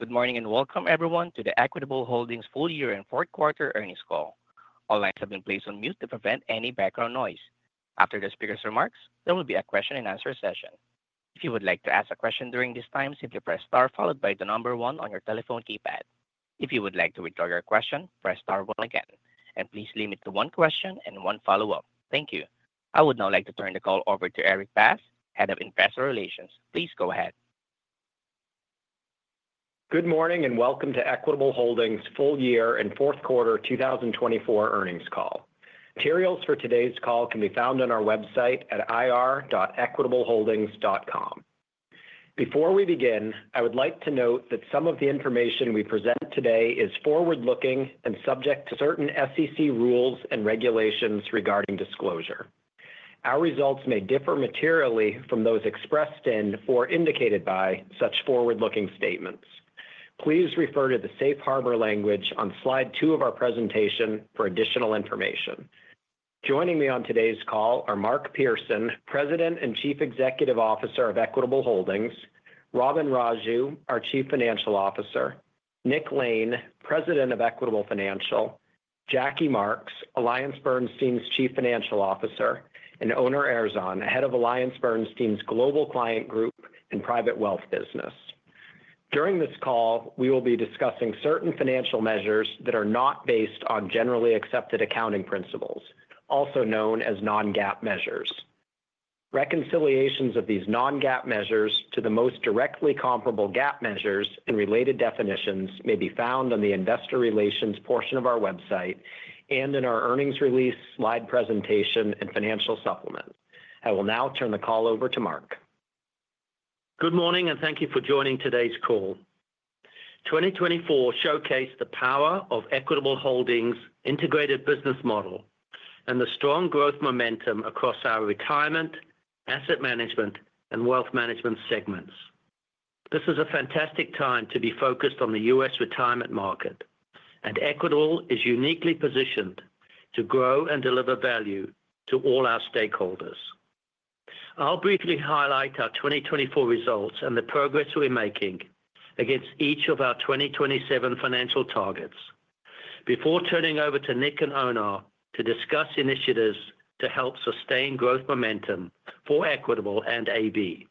Good morning and welcome, everyone, to the Equitable Holdings full-year and fourth-quarter earnings call. All lines have been placed on mute to prevent any background noise. After the speaker's remarks, there will be a question-and-answer session. If you would like to ask a question during this time, simply press star followed by the number one on your telephone keypad. If you would like to withdraw your question, press star one again. And please limit to one question and one follow-up. Thank you. I would now like to turn the call over to Erik Bass, Head of Investor Relations. Please go ahead. Good morning and welcome to Equitable Holdings full-year and fourth-quarter 2024 earnings call. Materials for today's call can be found on our website at ir.equitableholdings.com. Before we begin, I would like to note that some of the information we present today is forward-looking and subject to certain SEC rules and regulations regarding disclosure. Our results may differ materially from those expressed in or indicated by such forward-looking statements. Please refer to the safe harbor language on slide two of our presentation for additional information. Joining me on today's call are Mark Pearson, President and Chief Executive Officer of Equitable Holdings, Robin Raju, our Chief Financial Officer, Nick Lane, President of Equitable Financial, Jackie Marks, AllianceBernstein's Chief Financial Officer, and Onur Erzan, Head of AllianceBernstein's Global Client Group and Private Wealth Business. During this call, we will be discussing certain financial measures that are not based on generally accepted accounting principles, also known as non-GAAP measures. Reconciliations of these non-GAAP measures to the most directly comparable GAAP measures and related definitions may be found on the Investor Relations portion of our website and in our earnings release slide presentation and financial supplement. I will now turn the call over to Mark. Good morning and thank you for joining today's call. 2024 showcased the power of Equitable Holdings' integrated business model and the strong growth momentum across our retirement, asset management, and wealth management segments. This is a fantastic time to be focused on the U.S. retirement market, and Equitable is uniquely positioned to grow and deliver value to all our stakeholders. I'll briefly highlight our 2024 results and the progress we're making against each of our 2027 financial targets before turning over to Nick and Onur to discuss initiatives to help sustain growth momentum for Equitable and AB.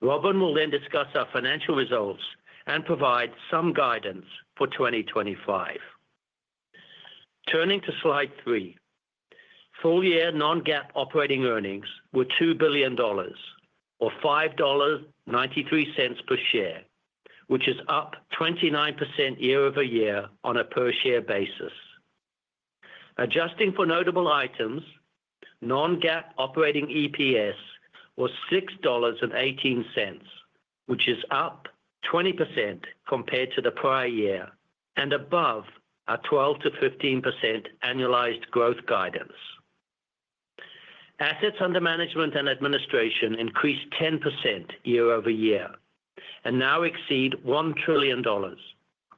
Robin will then discuss our financial results and provide some guidance for 2025. Turning to slide three, full-year non-GAAP operating earnings were $2 billion, or $5.93 per share, which is up 29% year over year on a per-share basis. Adjusting for notable items, non-GAAP operating EPS was $6.18, which is up 20% compared to the prior year and above our 12%-15% annualized growth guidance. Assets under management and administration increased 10% year over year and now exceed $1 trillion,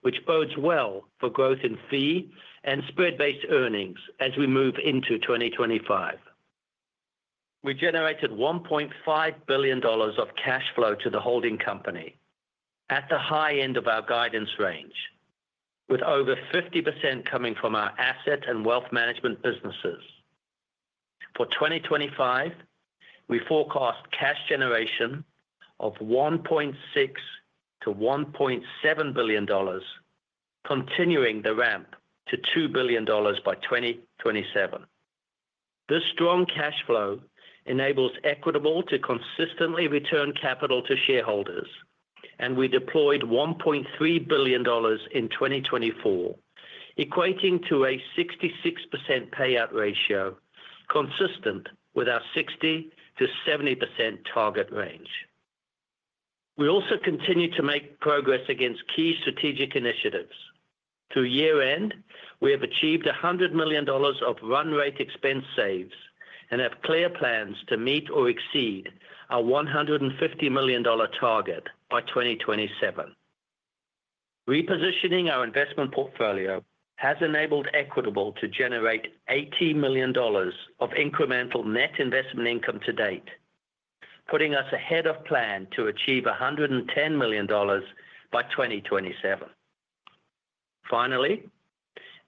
which bodes well for growth in fee and spread-based earnings as we move into 2025. We generated $1.5 billion of cash flow to the holding company at the high end of our guidance range, with over 50% coming from our asset and wealth management businesses. For 2025, we forecast cash generation of $1.6-$1.7 billion, continuing the ramp to $2 billion by 2027. This strong cash flow enables Equitable to consistently return capital to shareholders, and we deployed $1.3 billion in 2024, equating to a 66% payout ratio consistent with our 60%-70% target range. We also continue to make progress against key strategic initiatives. To year-end, we have achieved $100 million of run-rate expense saves and have clear plans to meet or exceed our $150 million target by 2027. Repositioning our investment portfolio has enabled Equitable to generate $18 million of incremental net investment income to date, putting us ahead of plan to achieve $110 million by 2027. Finally,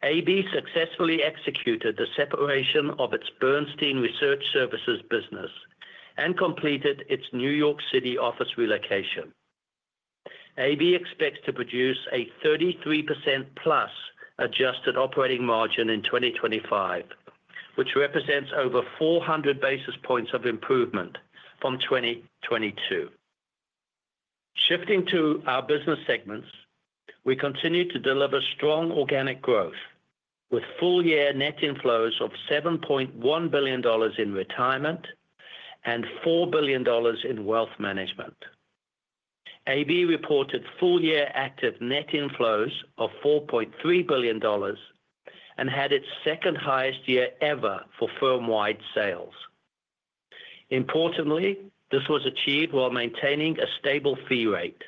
AB successfully executed the separation of its Bernstein Research Services business and completed its New York City office relocation. AB expects to produce a 33% plus adjusted operating margin in 2025, which represents over 400 basis points of improvement from 2022. Shifting to our business segments, we continue to deliver strong organic growth, with full-year net inflows of $7.1 billion in retirement and $4 billion in wealth management. AB reported full-year active net inflows of $4.3 billion and had its second-highest year ever for firm-wide sales. Importantly, this was achieved while maintaining a stable fee rate.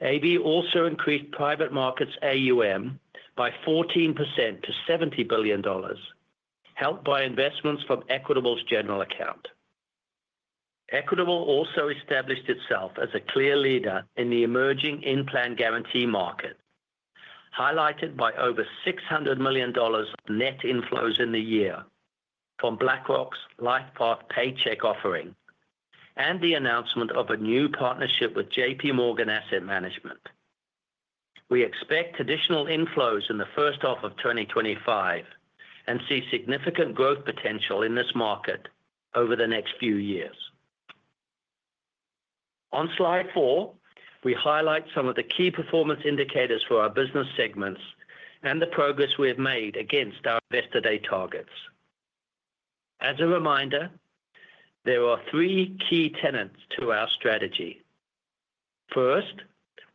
AB also increased private markets AUM by 14% to $70 billion, helped by investments from Equitable's general account. Equitable also established itself as a clear leader in the emerging in-plan guarantee market, highlighted by over $600 million net inflows in the year from BlackRock's LifePath Paycheck offering and the announcement of a new partnership with JP Morgan Asset Management. We expect additional inflows in the first half of 2025 and see significant growth potential in this market over the next few years. On slide four, we highlight some of the key performance indicators for our business segments and the progress we have made against our investor-day targets. As a reminder, there are three key tenets to our strategy. First,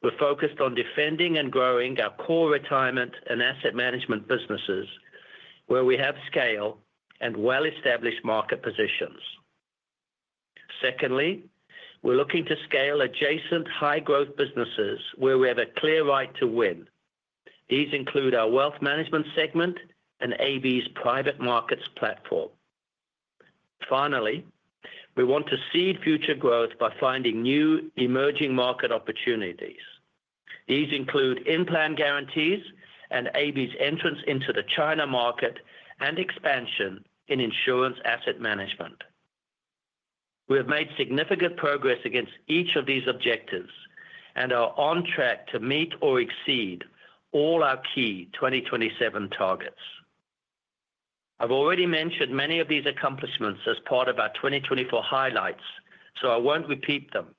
we're focused on defending and growing our core retirement and asset management businesses where we have scale and well-established market positions. Secondly, we're looking to scale adjacent high-growth businesses where we have a clear right to win. These include our wealth management segment and AB's private markets platform. Finally, we want to seed future growth by finding new emerging market opportunities. These include in-plan guarantees and AB's entrance into the China market and expansion in insurance asset management. We have made significant progress against each of these objectives and are on track to meet or exceed all our key 2027 targets. I've already mentioned many of these accomplishments as part of our 2024 highlights, so I won't repeat them,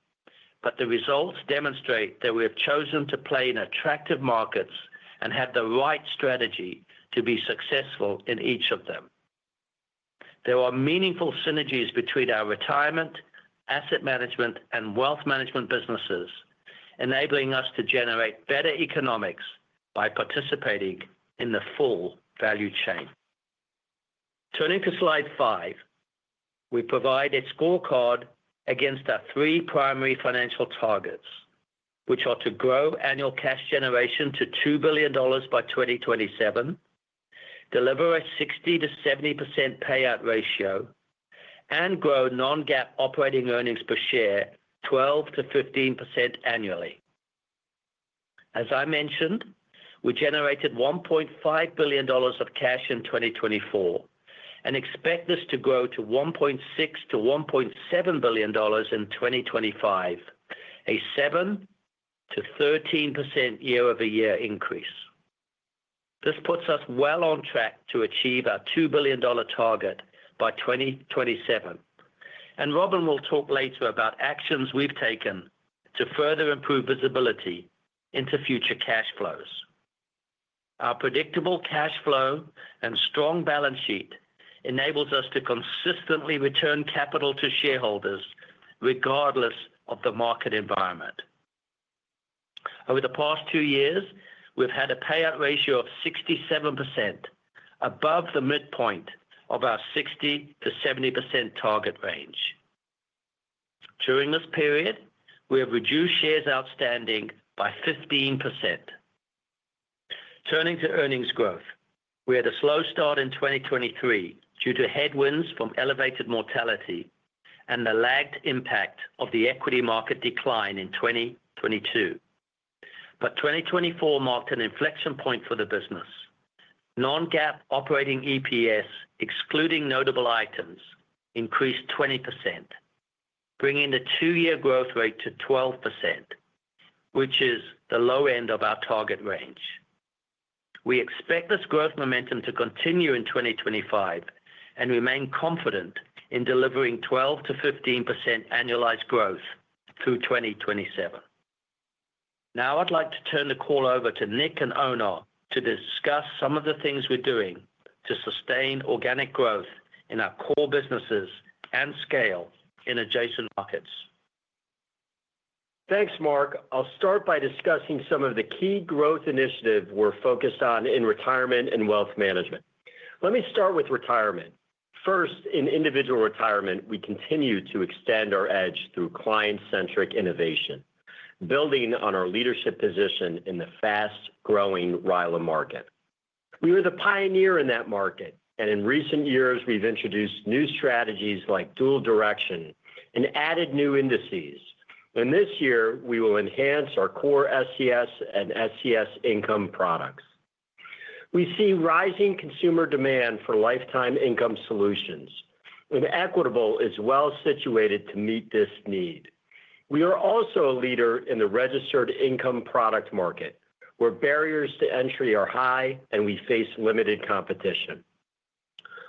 but the results demonstrate that we have chosen to play in attractive markets and have the right strategy to be successful in each of them. There are meaningful synergies between our retirement, asset management, and wealth management businesses, enabling us to generate better economics by participating in the full value chain. Turning to slide five, we provide a scorecard against our three primary financial targets, which are to grow annual cash generation to $2 billion by 2027, deliver a 60%-70% payout ratio, and grow Non-GAAP operating earnings per share 12%-15% annually. As I mentioned, we generated $1.5 billion of cash in 2024 and expect this to grow to $1.6-$1.7 billion in 2025, a 7%-13% year-over-year increase. This puts us well on track to achieve our $2 billion target by 2027, and Robin will talk later about actions we've taken to further improve visibility into future cash flows. Our predictable cash flow and strong balance sheet enables us to consistently return capital to shareholders regardless of the market environment. Over the past two years, we've had a payout ratio of 67%, above the midpoint of our 60%-70% target range. During this period, we have reduced shares outstanding by 15%. Turning to earnings growth, we had a slow start in 2023 due to headwinds from elevated mortality and the lagged impact of the equity market decline in 2022. But 2024 marked an inflection point for the business. Non-GAAP operating EPS, excluding notable items, increased 20%, bringing the two-year growth rate to 12%, which is the low end of our target range. We expect this growth momentum to continue in 2025 and remain confident in delivering 12% to 15% annualized growth through 2027. Now, I'd like to turn the call over to Nick Lane and Onur Erzan to discuss some of the things we're doing to sustain organic growth in our core businesses and scale in adjacent markets. Thanks, Mark. I'll start by discussing some of the key growth initiatives we're focused on in retirement and wealth management. Let me start with retirement. First, in individual retirement, we continue to extend our edge through client-centric innovation, building on our leadership position in the fast-growing RILA market. We were the pioneer in that market, and in recent years, we've introduced new strategies like dual direction and added new indices. And this year, we will enhance our core SCS and SCS Income products. We see rising consumer demand for lifetime income solutions, and Equitable is well situated to meet this need. We are also a leader in the registered income product market, where barriers to entry are high and we face limited competition.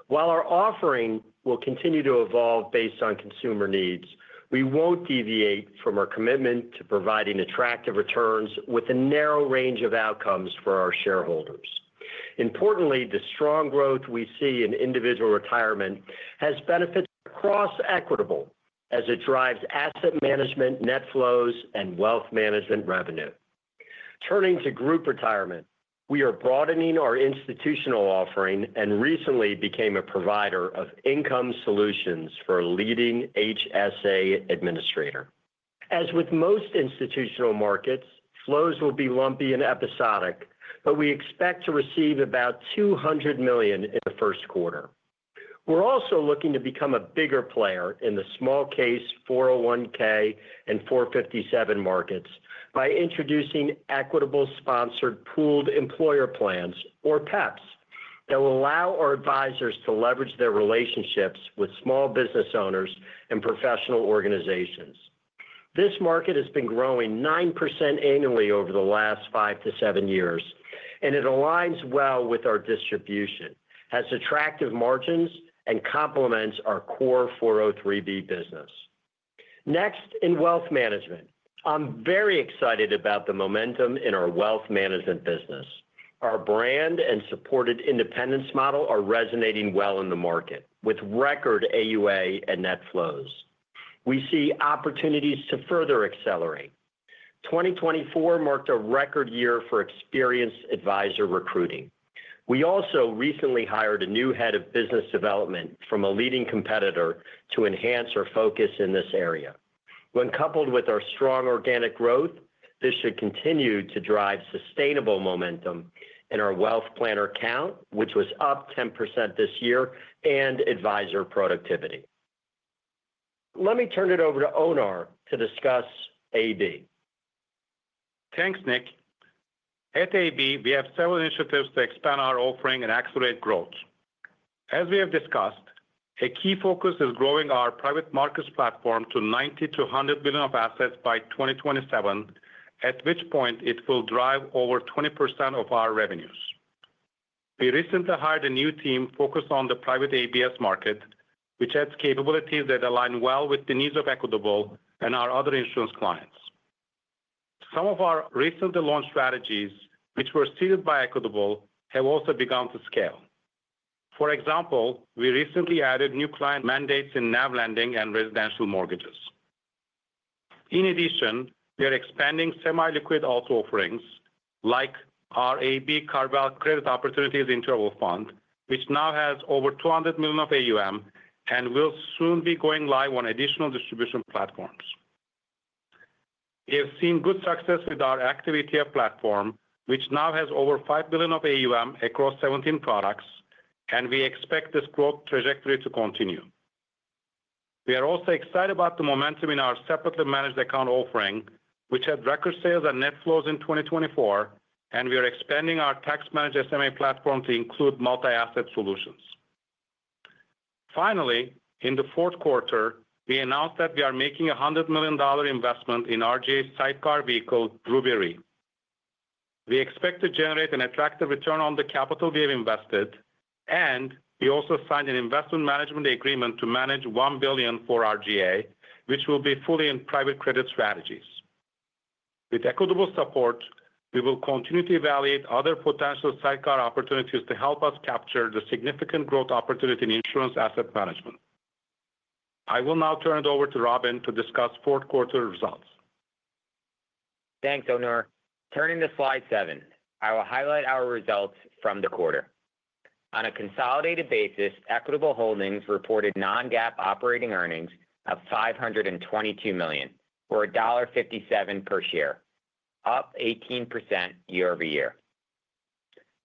While our offering will continue to evolve based on consumer needs, we won't deviate from our commitment to providing attractive returns with a narrow range of outcomes for our shareholders. Importantly, the strong growth we see in individual retirement has benefits across Equitable as it drives asset management net flows and wealth management revenue. Turning to group retirement, we are broadening our institutional offering and recently became a provider of income solutions for a leading HSA administrator. As with most institutional markets, flows will be lumpy and episodic, but we expect to receive about $200 million in the first quarter. We're also looking to become a bigger player in the small-case 401(k) and 457 markets by introducing Equitable-sponsored pooled employer plans, or PEPs, that will allow our advisors to leverage their relationships with small business owners and professional organizations. This market has been growing 9% annually over the last five to seven years, and it aligns well with our distribution, has attractive margins, and complements our core 403(b) business. Next, in wealth management, I'm very excited about the momentum in our wealth management business. Our brand and supported independence model are resonating well in the market with record AUA and net flows. We see opportunities to further accelerate. 2024 marked a record year for experienced advisor recruiting. We also recently hired a new head of business development from a leading competitor to enhance our focus in this area. When coupled with our strong organic growth, this should continue to drive sustainable momentum in our wealth planner count, which was up 10% this year, and advisor productivity. Let me turn it over to Onur to discuss AB. Thanks, Nick. At AB, we have several initiatives to expand our offering and accelerate growth. As we have discussed, a key focus is growing our private markets platform to $90 billion-$100 billion of assets by 2027, at which point it will drive over 20% of our revenues. We recently hired a new team focused on the private ABS market, which has capabilities that align well with the needs of Equitable and our other insurance clients. Some of our recently launched strategies, which were seeded by Equitable, have also begun to scale. For example, we recently added new client mandates in NAV lending and residential mortgages. In addition, we are expanding semi-liquid auto offerings like our AB CarVal Credit Opportunities Fund, which now has over $200 million of AUM and will soon be going live on additional distribution platforms. We have seen good success with our active ETF platform, which now has over $5 billion of AUM across 17 products, and we expect this growth trajectory to continue. We are also excited about the momentum in our separately managed account offering, which had record sales and net flows in 2024, and we are expanding our tax-managed SMA platform to include multi-asset solutions. Finally, in the fourth quarter, we announced that we are making a $100 million investment in RGA's sidecar vehicle, Ruby Re. We expect to generate an attractive return on the capital we have invested, and we also signed an investment management agreement to manage $1 billion for RGA, which will be fully in private credit strategies. With Equitable's support, we will continue to evaluate other potential sidecar opportunities to help us capture the significant growth opportunity in insurance asset management. I will now turn it over to Robin to discuss fourth-quarter results. Thanks, Onur. Turning to slide seven, I will highlight our results from the quarter. On a consolidated basis, Equitable Holdings reported Non-GAAP operating earnings of $522 million, or $1.57 per share, up 18% year-over-year.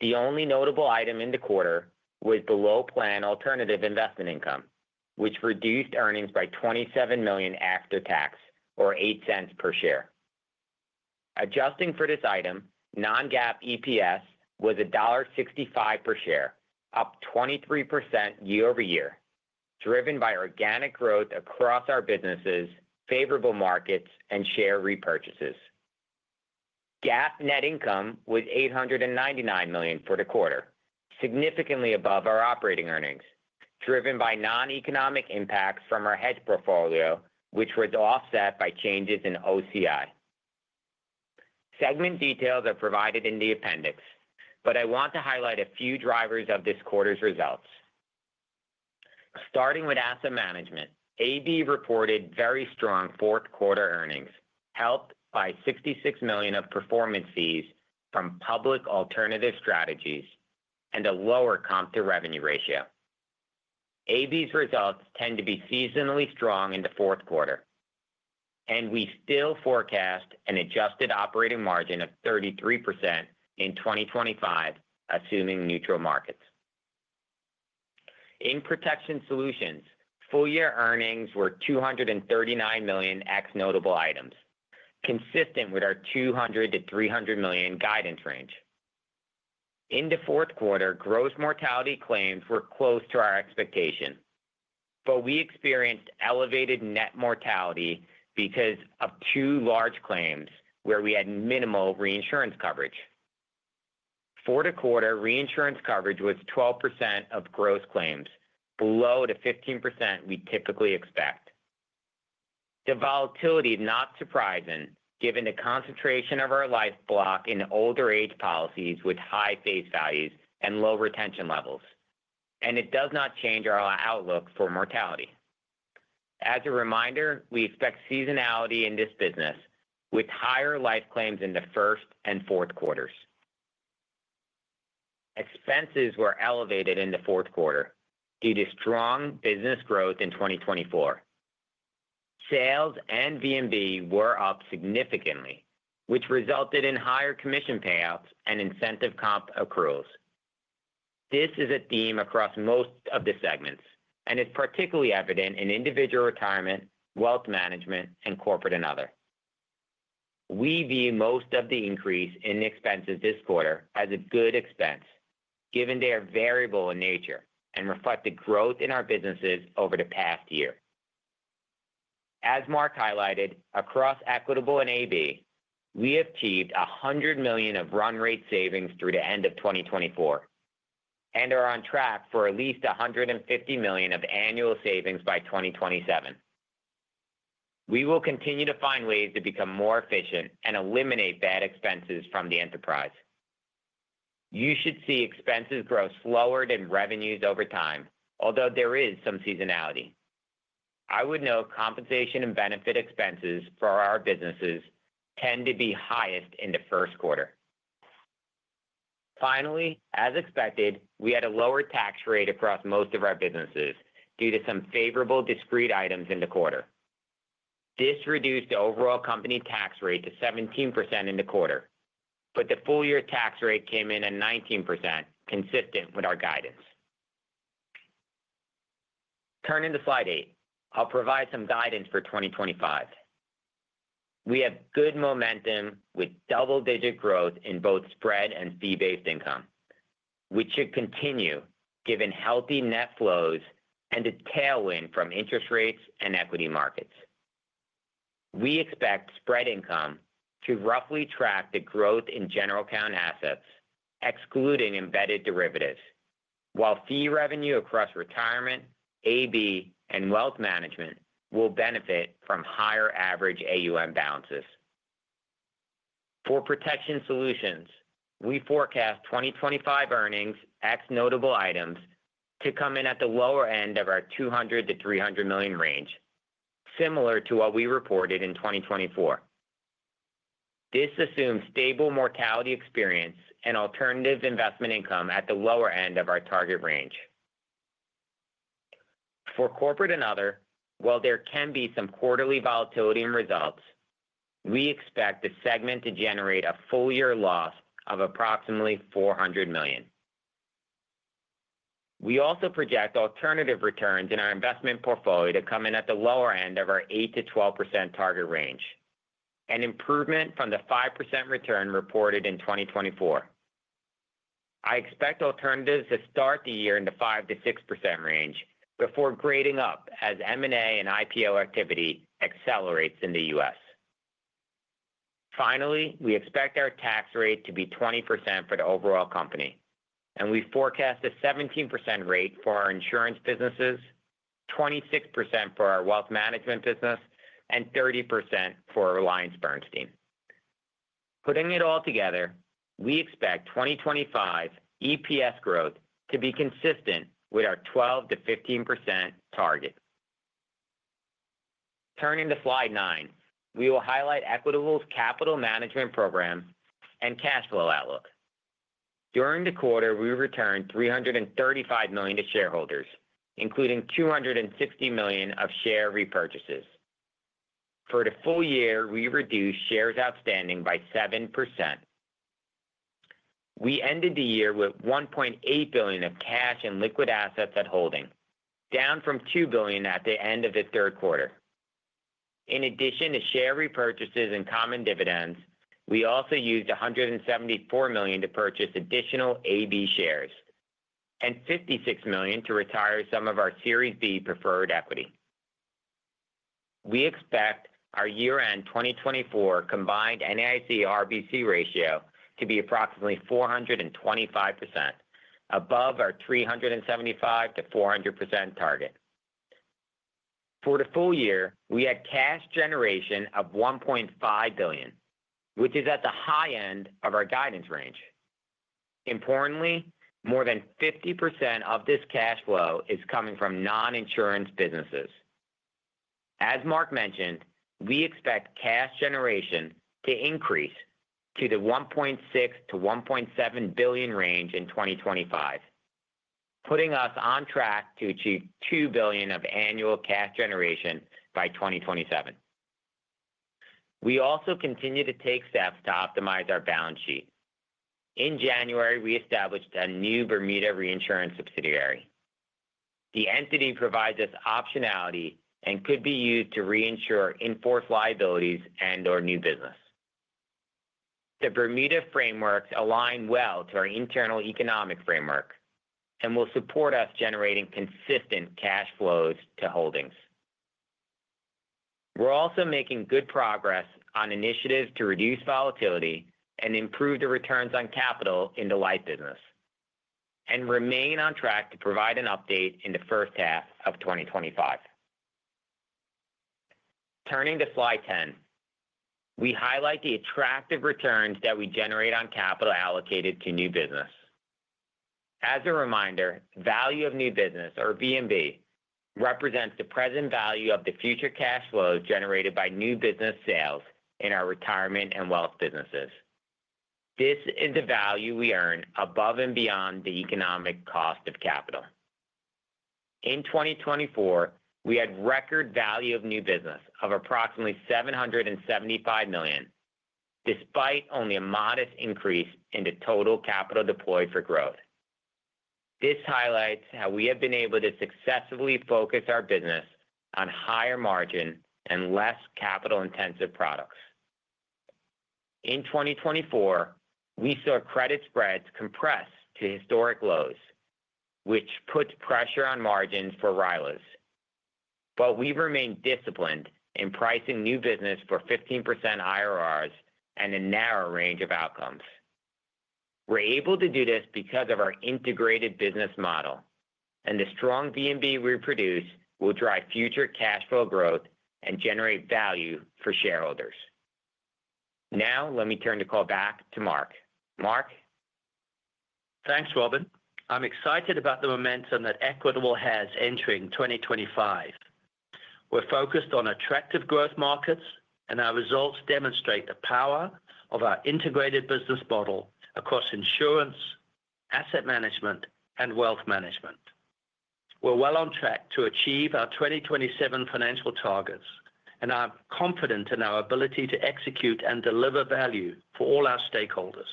The only notable item in the quarter was the low-plan alternative investment income, which reduced earnings by $27 million after tax, or $0.08 per share. Adjusting for this item, Non-GAAP EPS was $1.65 per share, up 23% year-over-year, driven by organic growth across our businesses, favorable markets, and share repurchases. GAAP net income was $899 million for the quarter, significantly above our operating earnings, driven by non-economic impacts from our hedge portfolio, which was offset by changes in OCI. Segment details are provided in the appendix, but I want to highlight a few drivers of this quarter's results. Starting with asset management, AB reported very strong fourth-quarter earnings, helped by $66 million of performance fees from public alternative strategies and a lower comp-to-revenue ratio. AB's results tend to be seasonally strong in the fourth quarter, and we still forecast an adjusted operating margin of 33% in 2025, assuming neutral markets. In protection solutions, full-year earnings were $239 million ex notable items, consistent with our $200 million-$300 million guidance range. In the fourth quarter, gross mortality claims were close to our expectation, but we experienced elevated net mortality because of two large claims where we had minimal reinsurance coverage. Fourth-quarter reinsurance coverage was 12% of gross claims, below the 15% we typically expect. The volatility is not surprising, given the concentration of our life block in older age policies with high face values and low retention levels, and it does not change our outlook for mortality. As a reminder, we expect seasonality in this business, with higher life claims in the first and fourth quarters. Expenses were elevated in the fourth quarter due to strong business growth in 2024. Sales and VNB were up significantly, which resulted in higher commission payouts and incentive comp accruals. This is a theme across most of the segments and is particularly evident in individual retirement, wealth management, and corporate and other. We view most of the increase in expenses this quarter as a good expense, given they are variable in nature and reflect the growth in our businesses over the past year. As Mark highlighted, across Equitable and AB, we have achieved $100 million of run rate savings through the end of 2024 and are on track for at least $150 million of annual savings by 2027. We will continue to find ways to become more efficient and eliminate bad expenses from the enterprise. You should see expenses grow slower than revenues over time, although there is some seasonality. I would note compensation and benefit expenses for our businesses tend to be highest in the first quarter. Finally, as expected, we had a lower tax rate across most of our businesses due to some favorable discrete items in the quarter. This reduced the overall company tax rate to 17% in the quarter, but the full-year tax rate came in at 19%, consistent with our guidance. Turning to slide eight, I'll provide some guidance for 2025. We have good momentum with double-digit growth in both spread and fee-based income, which should continue given healthy net flows and a tailwind from interest rates and equity markets. We expect spread income to roughly track the growth in general account assets, excluding embedded derivatives, while fee revenue across retirement, AB, and wealth management will benefit from higher average AUM balances. For protection solutions, we forecast 2025 earnings ex notable items to come in at the lower end of our $200 million-$300 million range, similar to what we reported in 2024. This assumes stable mortality experience and alternative investment income at the lower end of our target range. For corporate and other, while there can be some quarterly volatility in results, we expect the segment to generate a full-year loss of approximately $400 million. We also project alternative returns in our investment portfolio to come in at the lower end of our 8%-12% target range, an improvement from the 5% return reported in 2024. I expect alternatives to start the year in the 5%-6% range before grading up as M&A and IPO activity accelerates in the U.S. Finally, we expect our tax rate to be 20% for the overall company, and we forecast a 17% rate for our insurance businesses, 26% for our wealth management business, and 30% for AllianceBernstein. Putting it all together, we expect 2025 EPS growth to be consistent with our 12%-15% target. Turning to slide nine, we will highlight Equitable's capital management programs and cash flow outlook. During the quarter, we returned $335 million to shareholders, including $260 million of share repurchases. For the full year, we reduced shares outstanding by 7%. We ended the year with $1.8 billion of cash and liquid assets at holding, down from $2 billion at the end of the third quarter. In addition to share repurchases and common dividends, we also used $174 million to purchase additional AB shares and $56 million to retire some of our Series B preferred equity. We expect our year-end 2024 combined NAIC-RBC ratio to be approximately 425%, above our 375%-400% target. For the full year, we had cash generation of $1.5 billion, which is at the high end of our guidance range. Importantly, more than 50% of this cash flow is coming from non-insurance businesses. As Mark mentioned, we expect cash generation to increase to the $1.6 billion-$1.7 billion range in 2025, putting us on track to achieve $2 billion of annual cash generation by 2027. We also continue to take steps to optimize our balance sheet. In January, we established a new Bermuda Reinsurance subsidiary. The entity provides us optionality and could be used to reinsure in-force liabilities and/or new business. The Bermuda frameworks align well to our internal economic framework and will support us generating consistent cash flows to holdings. We're also making good progress on initiatives to reduce volatility and improve the returns on capital in the life business and remain on track to provide an update in the first half of 2025. Turning to slide 10, we highlight the attractive returns that we generate on capital allocated to new business. As a reminder, value of new business, or VNB, represents the present value of the future cash flows generated by new business sales in our retirement and wealth businesses. This is the value we earn above and beyond the economic cost of capital. In 2024, we had record value of new business of approximately $775 million, despite only a modest increase in the total capital deployed for growth. This highlights how we have been able to successfully focus our business on higher margin and less capital-intensive products. In 2024, we saw credit spreads compress to historic lows, which put pressure on margins for RILAs, but we remained disciplined in pricing new business for 15% IRRs and a narrow range of outcomes. We're able to do this because of our integrated business model, and the strong VNB we produce will drive future cash flow growth and generate value for shareholders. Now, let me turn the call back to Mark. Mark? Thanks, Robin. I'm excited about the momentum that Equitable has entering 2025. We're focused on attractive growth markets, and our results demonstrate the power of our integrated business model across insurance, asset management, and wealth management. We're well on track to achieve our 2027 financial targets, and I'm confident in our ability to execute and deliver value for all our stakeholders.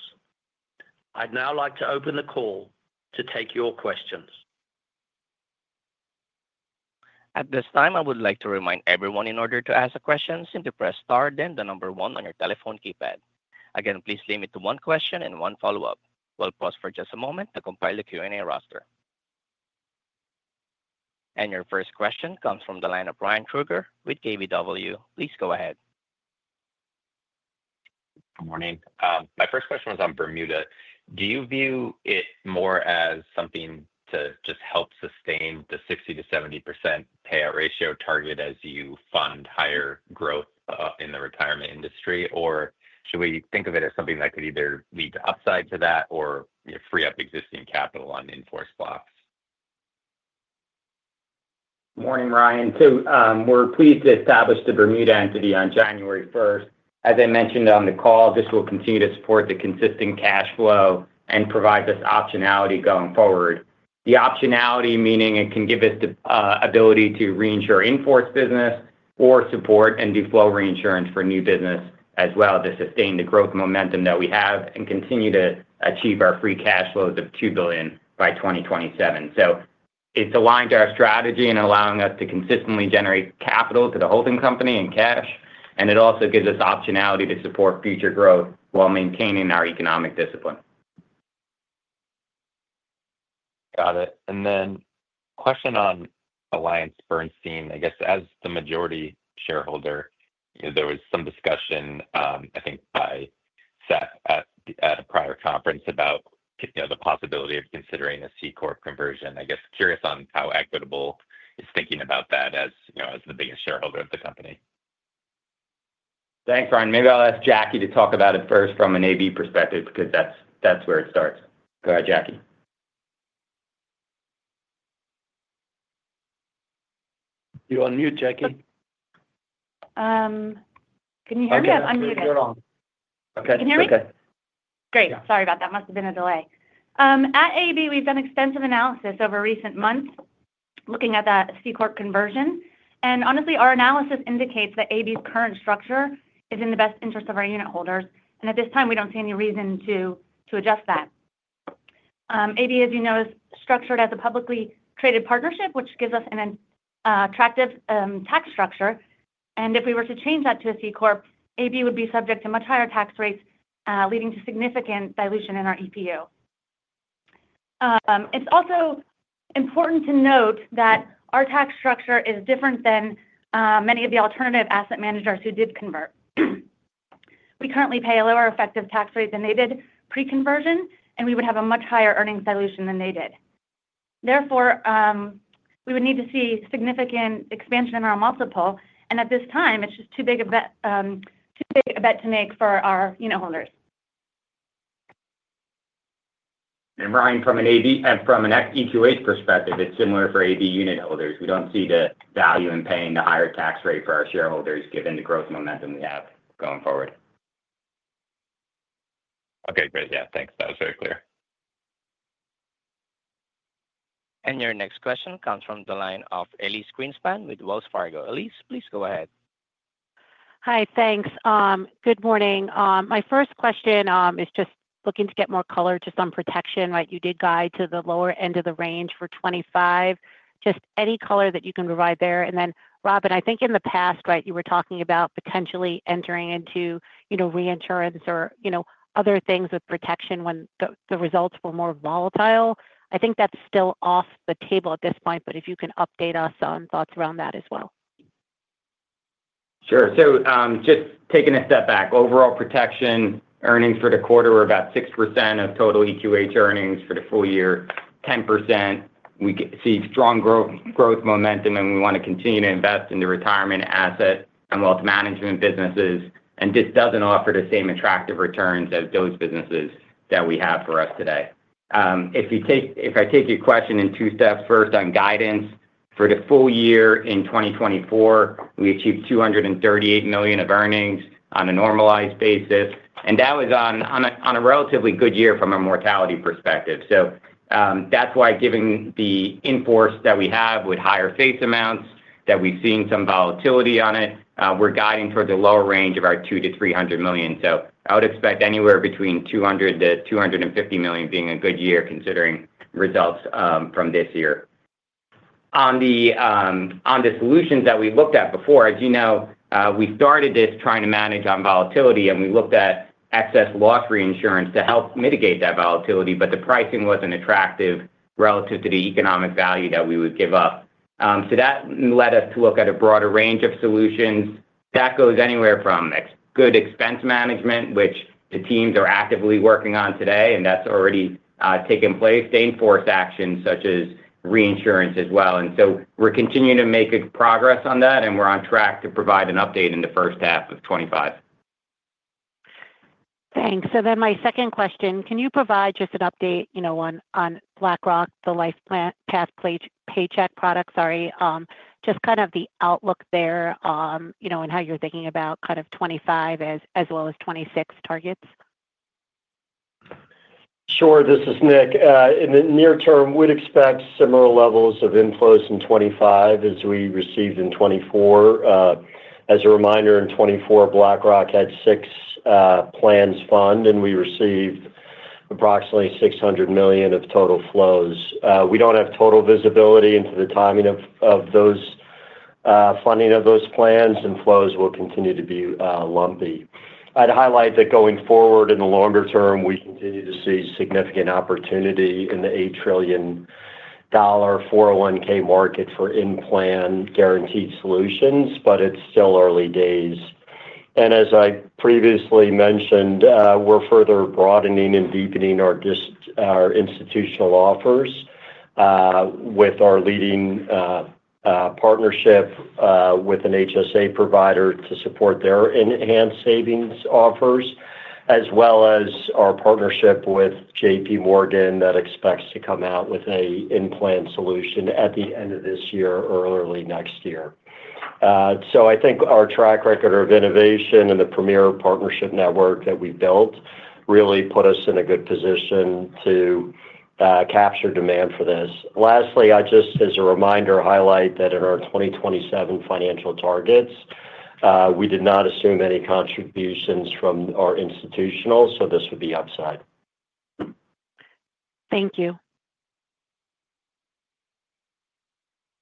I'd now like to open the call to take your questions. At this time, I would like to remind everyone in order to ask a question, simply press Star, then the number one on your telephone keypad. Again, please limit to one question and one follow-up. We'll pause for just a moment to compile the Q&A roster. And your first question comes from the line of Ryan Krueger with KBW. Please go ahead. Good morning. My first question was on Bermuda. Do you view it more as something to just help sustain the 60%-70% payout ratio target as you fund higher growth in the retirement industry, or should we think of it as something that could either lead to upside to that or free up existing capital on in-force blocks? Morning, Ryan. So we're pleased to establish the Bermuda entity on January 1st. As I mentioned on the call, this will continue to support the consistent cash flow and provide this optionality going forward. The optionality meaning it can give us the ability to reinsure in-force business or support and do flow reinsurance for new business as well to sustain the growth momentum that we have and continue to achieve our free cash flows of $2 billion by 2027. So it's aligned to our strategy and allowing us to consistently generate capital to the holding company in cash, and it also gives us optionality to support future growth while maintaining our economic discipline. Got it. And then question on AllianceBernstein. I guess as the majority shareholder, there was some discussion, I think, by Seth at a prior conference about the possibility of considering a C-Corp conversion. I guess curious on how Equitable is thinking about that as the biggest shareholder of the company. Thanks, Ryan. Maybe I'll ask Jackie to talk about it first from an AB perspective because that's where it starts. Go ahead, Jackie. You're on mute, Jackie. Can you hear me? I'm muted. Okay. You can hear me? Okay. Great. Sorry about that. Must have been a delay. At AB, we've done extensive analysis over recent months looking at that C-Corp conversion. And honestly, our analysis indicates that AB's current structure is in the best interest of our unit holders. And at this time, we don't see any reason to adjust that. AB, as you know, is structured as a publicly traded partnership, which gives us an attractive tax structure. And if we were to change that to a C-Corp, AB would be subject to much higher tax rates, leading to significant dilution in our EPS. It's also important to note that our tax structure is different than many of the alternative asset managers who did convert. We currently pay a lower effective tax rate than they did pre-conversion, and we would have a much higher earnings dilution than they did. Therefore, we would need to see significant expansion in our multiple, and at this time, it's just too big a bet to make for our unit holders. Ryan, from an EQH perspective, it's similar for AB unit holders. We don't see the value in paying the higher tax rate for our shareholders given the growth momentum we have going forward. Okay. Great. Yeah. Thanks. That was very clear. And your next question comes from the line of Elise Greenspan with Wells Fargo. Elise, please go ahead. Hi. Thanks. Good morning. My first question is just looking to get more color to some protection. You did guide to the lower end of the range for 25. Just any color that you can provide there. And then, Robin, I think in the past, you were talking about potentially entering into reinsurance or other things with protection when the results were more volatile. I think that's still off the table at this point, but if you can update us on thoughts around that as well. Sure. So just taking a step back, overall protection earnings for the quarter were about 6% of total EQH earnings for the full year, 10%. We see strong growth momentum, and we want to continue to invest in the retirement asset and wealth management businesses. And this doesn't offer the same attractive returns as those businesses that we have for us today. If I take your question in two steps, first on guidance, for the full year in 2024, we achieved $238 million of earnings on a normalized basis. And that was on a relatively good year from a mortality perspective. So that's why given the exposure that we have with higher face amounts that we've seen some volatility on it, we're guiding towards a lower range of our $200 million-$300 million. So I would expect anywhere between $200 million-$250 million being a good year considering results from this year. On the solutions that we looked at before, as you know, we started this trying to manage on volatility, and we looked at excess loss reinsurance to help mitigate that volatility, but the pricing wasn't attractive relative to the economic value that we would give up. So that led us to look at a broader range of solutions. That goes anywhere from good expense management, which the teams are actively working on today, and that's already taken place, to enforce actions such as reinsurance as well. And so we're continuing to make progress on that, and we're on track to provide an update in the first half of 2025. Thanks. So then my second question, can you provide just an update on BlackRock, the LifePath Paycheck product, sorry, just kind of the outlook there and how you're thinking about kind of 2025 as well as 2026 targets? Sure. This is Nick. In the near term, we'd expect similar levels of inflows in 2025 as we received in 2024. As a reminder, in 2024, BlackRock had six plans funded, and we received approximately $600 million of total flows. We don't have total visibility into the timing of funding of those plans, and flows will continue to be lumpy. I'd highlight that going forward in the longer term, we continue to see significant opportunity in the $8 trillion 401(k) market for in-plan guaranteed solutions, but it's still early days, and as I previously mentioned, we're further broadening and deepening our institutional offers with our leading partnership with an HSA provider to support their enhanced savings offers, as well as our partnership with JPMorgan that expects to come out with an in-plan solution at the end of this year or early next year. So I think our track record of innovation and the premier partnership network that we've built really put us in a good position to capture demand for this. Lastly, I just, as a reminder, highlight that in our 2027 financial targets, we did not assume any contributions from our institutional, so this would be upside. Thank you.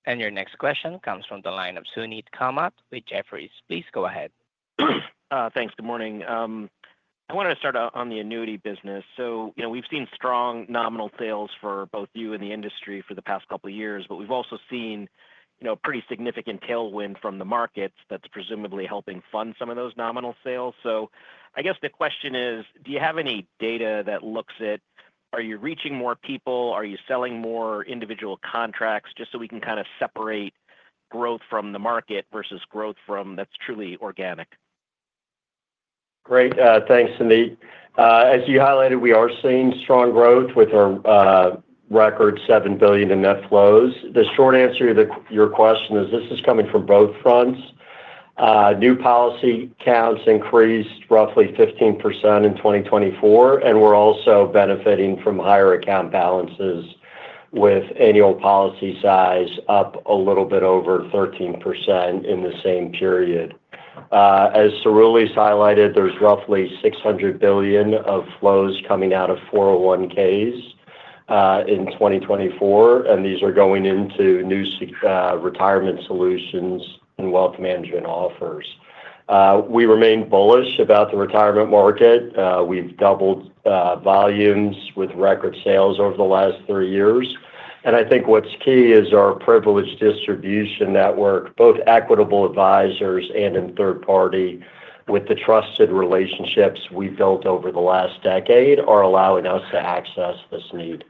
Your next question comes from the line of Suneet Kamath with Jefferies. Please go ahead. Thanks. Good morning. I wanted to start on the annuity business. So we've seen strong nominal sales for both you and the industry for the past couple of years, but we've also seen a pretty significant tailwind from the markets that's presumably helping fund some of those nominal sales. So I guess the question is, do you have any data that looks at, are you reaching more people? Are you selling more individual contracts? Just so we can kind of separate growth from the market versus growth that's truly organic. Great. Thanks, Suneet. As you highlighted, we are seeing strong growth with our record $7 billion in net flows. The short answer to your question is this is coming from both fronts. New policy counts increased roughly 15% in 2024, and we're also benefiting from higher account balances with annual policy size up a little bit over 13% in the same period. As Cerulli's highlighted, there's roughly $600 billion of flows coming out of 401(k)s in 2024, and these are going into new retirement solutions and wealth management offers. We remain bullish about the retirement market. We've doubled volumes with record sales over the last three years. And I think what's key is our privileged distribution network, both Equitable Advisors and in third party, with the trusted relationships we've built over the last decade, are allowing us to access this need.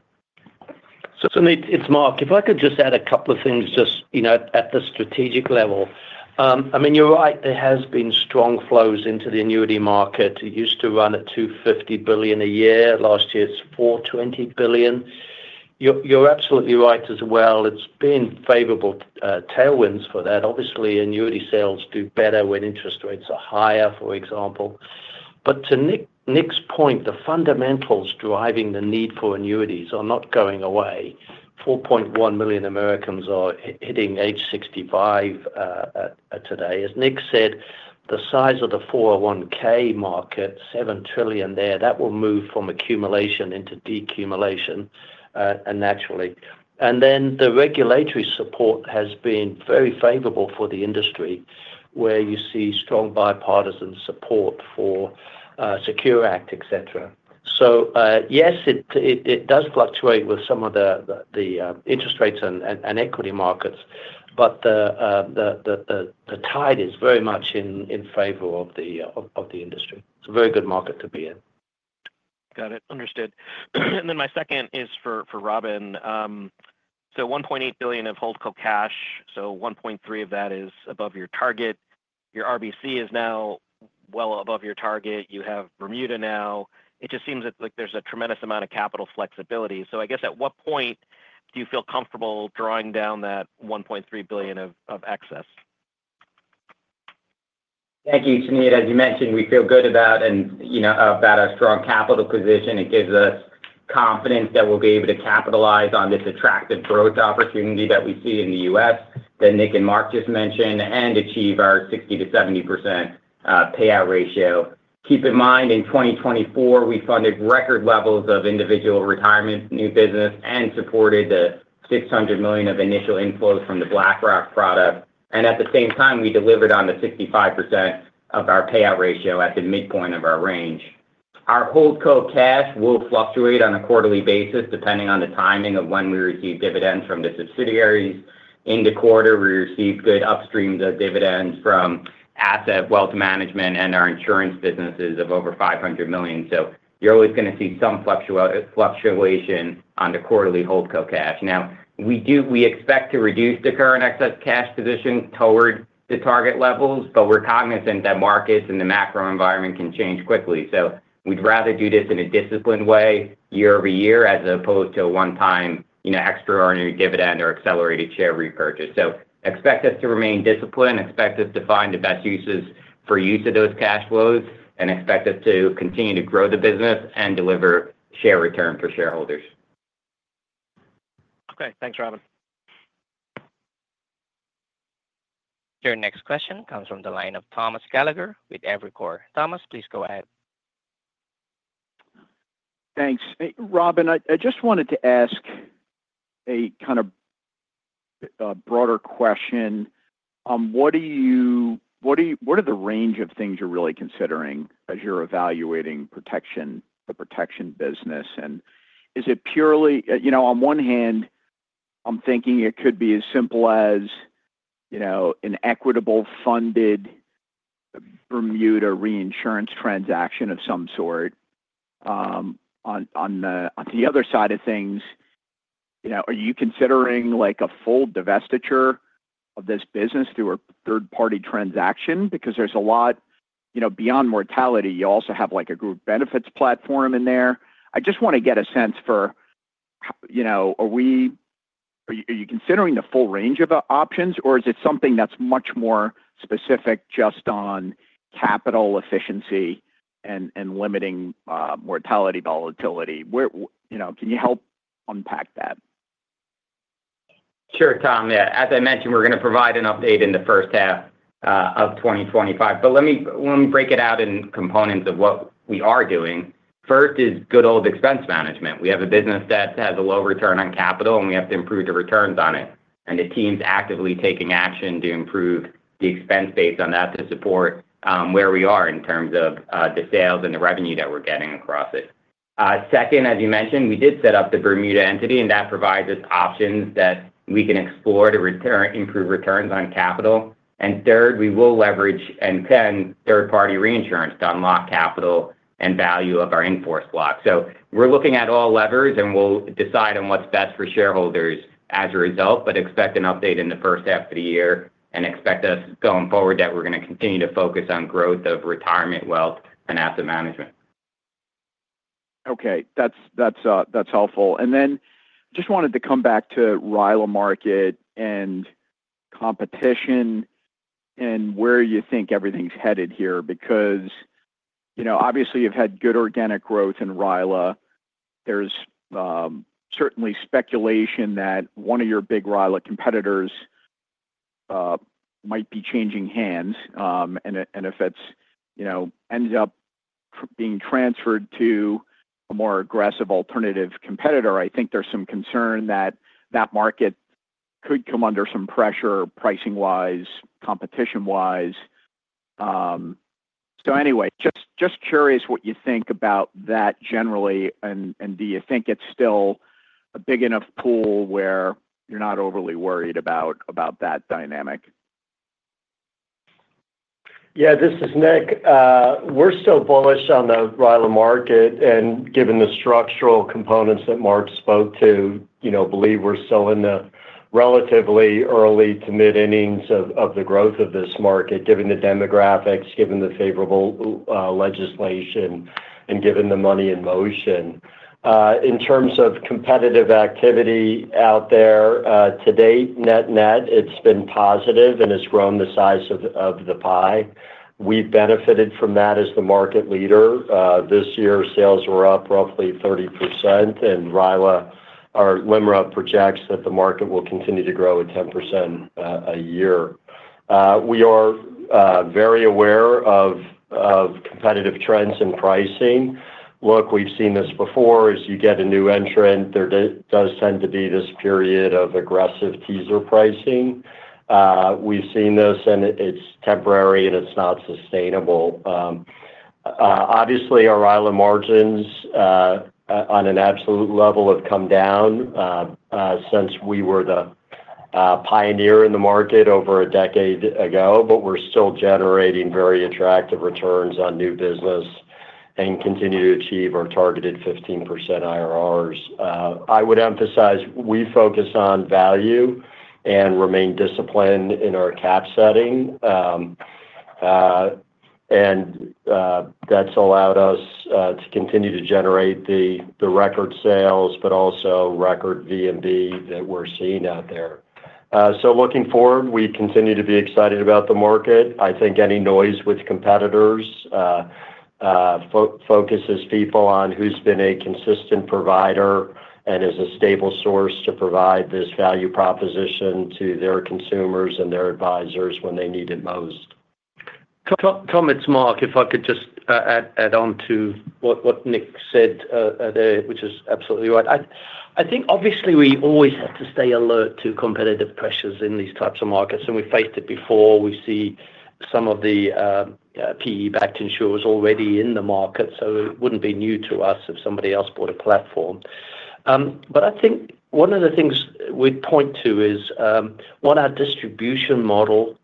So Suneet, it's Mark. If I could just add a couple of things just at the strategic level. I mean, you're right. There has been strong flows into the annuity market. It used to run at $250 billion a year. Last year, it's $420 billion. You're absolutely right as well. It's been favorable tailwinds for that. Obviously, annuity sales do better when interest rates are higher, for example. But to Nick's point, the fundamentals driving the need for annuities are not going away. 4.1 million Americans are hitting age 65 today. As Nick said, the size of the 401(k) market, $7 trillion there, that will move from accumulation into decumulation naturally. And then the regulatory support has been very favorable for the industry where you see strong bipartisan support for Secure Act, etc. Yes, it does fluctuate with some of the interest rates and equity markets, but the tide is very much in favor of the industry. It's a very good market to be in. Got it. Understood. And then my second is for Robin. So $1.8 billion of holdco cash. So $1.3 billion of that is above your target. Your RBC is now well above your target. You have Bermuda now. It just seems like there's a tremendous amount of capital flexibility. So I guess at what point do you feel comfortable drawing down that $1.3 billion of excess? Thank you, Suneet. As you mentioned, we feel good about our strong capital position. It gives us confidence that we'll be able to capitalize on this attractive growth opportunity that we see in the U.S. that Nick and Mark just mentioned and achieve our 60%-70% payout ratio. Keep in mind, in 2024, we funded record levels of individual retirement new business and supported the $600 million of initial inflows from the BlackRock product. And at the same time, we delivered on the 65% of our payout ratio at the midpoint of our range. Our holdco cash will fluctuate on a quarterly basis depending on the timing of when we receive dividends from the subsidiaries. In the quarter, we received good upstream dividends from asset wealth management and our insurance businesses of over $500 million. So you're always going to see some fluctuation on the quarterly holdco cash. Now, we expect to reduce the current excess cash position toward the target levels, but we're cognizant that markets and the macro environment can change quickly. So we'd rather do this in a disciplined way year over year as opposed to a one-time extraordinary dividend or accelerated share repurchase. So expect us to remain disciplined, expect us to find the best uses for use of those cash flows, and expect us to continue to grow the business and deliver share return for shareholders. Okay. Thanks, Robin. Your next question comes from the line of Thomas Gallagher with Evercore. Thomas, please go ahead. Thanks. Robin, I just wanted to ask a kind of broader question. What are the range of things you're really considering as you're evaluating the protection business? And is it purely on one hand, I'm thinking it could be as simple as an Equitable funded Bermuda reinsurance transaction of some sort. On the other side of things, are you considering a full divestiture of this business through a third-party transaction? Because there's a lot beyond mortality. You also have a group benefits platform in there. I just want to get a sense for are you considering the full range of options, or is it something that's much more specific just on capital efficiency and limiting mortality volatility? Can you help unpack that? Sure, Tom. Yeah. As I mentioned, we're going to provide an update in the first half of 2025. But let me break it out in components of what we are doing. First is good old expense management. We have a business that has a low return on capital, and we have to improve the returns on it. And the team's actively taking action to improve the expense base on that to support where we are in terms of the sales and the revenue that we're getting across it. Second, as you mentioned, we did set up the Bermuda entity, and that provides us options that we can explore to improve returns on capital. And third, we will leverage and utilize third-party reinsurance to unlock capital and value of our in-force block. So we're looking at all levers, and we'll decide on what's best for shareholders as a result, but expect an update in the first half of the year and expect us going forward that we're going to continue to focus on growth of retirement wealth and asset management. Okay. That's helpful. And then I just wanted to come back to RILA market and competition and where you think everything's headed here because obviously you've had good organic growth in RILA. There's certainly speculation that one of your big RILA competitors might be changing hands. And if it ends up being transferred to a more aggressive alternative competitor, I think there's some concern that that market could come under some pressure pricing-wise, competition-wise. So anyway, just curious what you think about that generally, and do you think it's still a big enough pool where you're not overly worried about that dynamic? Yeah. This is Nick. We're still bullish on the RILA market. Given the structural components that Mark spoke to, I believe we're still in the relatively early to mid-endings of the growth of this market, given the demographics, given the favorable legislation, and given the money in motion. In terms of competitive activity out there to date, net-net, it's been positive and has grown the size of the pie. We've benefited from that as the market leader. This year, sales were up roughly 30%, and LIMRA projects that the market will continue to grow at 10% a year. We are very aware of competitive trends in pricing. Look, we've seen this before. As you get a new entrant, there does tend to be this period of aggressive teaser pricing. We've seen this, and it's temporary, and it's not sustainable. Obviously, our RILA margins on an absolute level have come down since we were the pioneer in the market over a decade ago, but we're still generating very attractive returns on new business and continue to achieve our targeted 15% IRRs. I would emphasize we focus on value and remain disciplined in our cap setting. And that's allowed us to continue to generate the record sales, but also record VNB that we're seeing out there. So looking forward, we continue to be excited about the market. I think any noise with competitors focuses people on who's been a consistent provider and is a stable source to provide this value proposition to their consumers and their advisors when they need it most. Tom, it's Mark. If I could just add on to what Nick said, which is absolutely right. I think obviously we always have to stay alert to competitive pressures in these types of markets, and we've faced it before. We see some of the PE-backed insurers already in the market, so it wouldn't be new to us if somebody else bought a platform. But I think one of the things we'd point to is on our distribution model,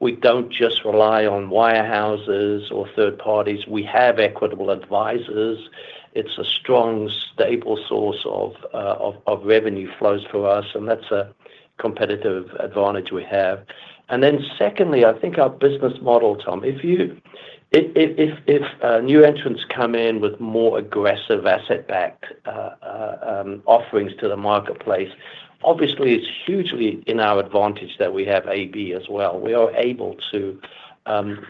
we don't just rely on wirehouses or third parties. We have Equitable Advisors. It's a strong, stable source of revenue flows for us, and that's a competitive advantage we have. And then secondly, I think our business model, Tom, if new entrants come in with more aggressive asset-backed offerings to the marketplace, obviously it's hugely in our advantage that we have AB as well. We are able to